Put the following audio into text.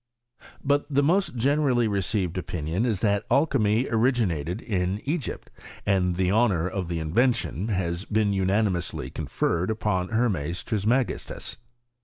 But the most generally received opinion is, that alchymy originated in Egypt ; and the honour of the invention has been unanimously conferred upon Hermes Trismegistus.